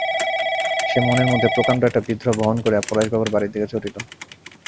সে মনের মধ্যে প্রকাণ্ড একটা বিদ্রোহ বহন করিয়া পরেশবাবুর বাড়ির দিকে ছুটিল।